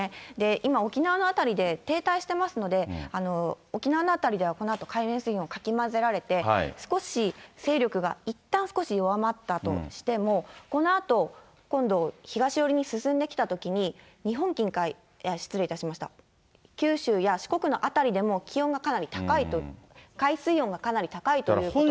今、沖縄の辺りで停滞してますので、沖縄の辺りではこのあと、海面水温、かき混ぜられて、少し勢力が、いったん少し弱まったとしても、このあと今度東寄りに進んできたときに、九州や四国の辺りでも気温がかなり高いと、海水温がかなり高いということで。